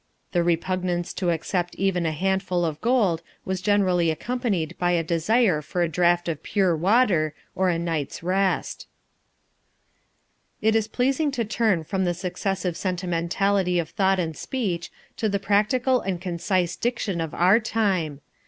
The repugnance to accept even a handful of gold was generally accompanied by a desire for a draught of pure water or a night's rest. It is pleasing to turn from this excessive sentimentality of thought and speech to the practical and concise diction of our time.